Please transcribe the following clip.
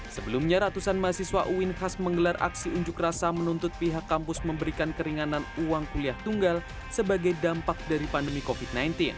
sebelumnya ratusan mahasiswa uin khas menggelar aksi unjuk rasa menuntut pihak kampus memberikan keringanan uang kuliah tunggal sebagai dampak dari pandemi covid sembilan belas